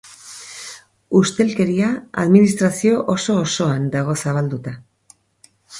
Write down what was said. Ustelkeria administrazio oso-osoan dago zabalduta.